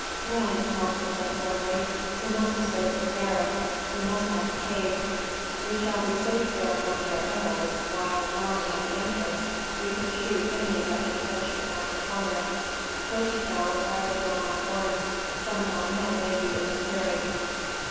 "Then," Malchus said firmly, "we must dispose of the bear; we must have the cave. We shall be safe there from their arrows, while, lying at the entrance, we could shoot any that should venture past the corner. First, though, I will blow my horn. Some of our men may be within hearing."